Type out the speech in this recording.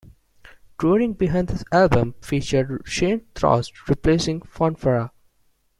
Touring behind this album featured Shane Trost replacing Fonfara.